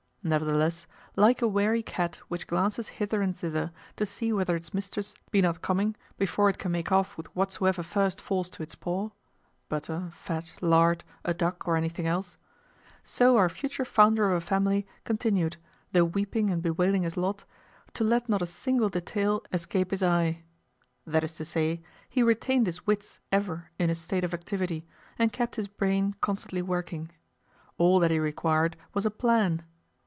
Nevertheless, like a wary cat which glances hither and thither to see whether its mistress be not coming before it can make off with whatsoever first falls to its paw (butter, fat, lard, a duck, or anything else), so our future founder of a family continued, though weeping and bewailing his lot, to let not a single detail escape his eye. That is to say, he retained his wits ever in a state of activity, and kept his brain constantly working. All that he required was a plan.